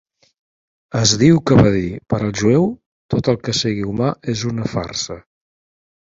Es diu que va dir: "Per al jueu, tot el que sigui humà és una farsa".